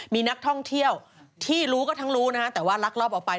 มีนักท่องเที่ยวที่รู้ก็ทั้งรู้นะฮะแต่ว่าลักลอบออกไป